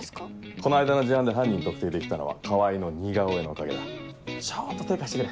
この間の事案で犯人特定できたのは川合の似顔絵のおかげだちょっと手貸してくれ。